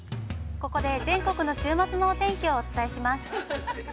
◆ここで全国の週末のお天気をお伝えします。